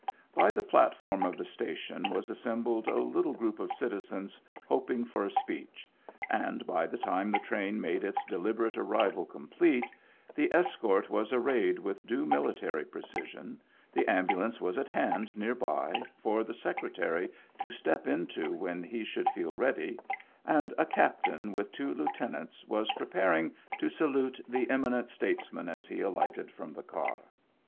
By the platform of the station was assembled a little group of citizens hoping for a speech; and by the time the train made its deliberate arrival complete, the escort was arrayed with due mili tary precision, the ambulance was at hand near by, for the Secretary to step into when he should feel ready, and a captain with two lieutenants was preparing to salute the eminent statesman as he alighted from the car.